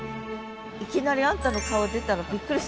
いきなりあんたの顔出たらびっくりするよ